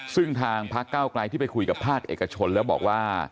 ซึ่งทางพักเก้าไกลที่ไปคุยกับภาคเอกชนแล้วบอกว่า